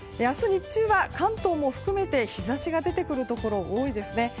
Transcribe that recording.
明日日中は関東も含めて日差しが出てくるところ多いですね。